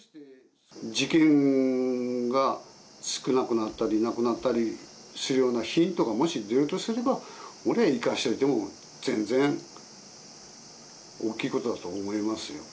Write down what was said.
事件が少なくなったり、なくなったりするようなヒントがもし出るとすれば、俺としては俺は生かしておいても全然、大きいことだと思いますよ。